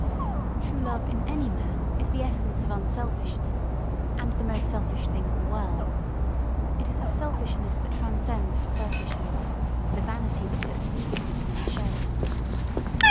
True Love, in any man, is the essence of unselfishness; and the most selfish thing in the world. It is the selfishness that transcends selfishness; the vanity that puts egotism in the shade.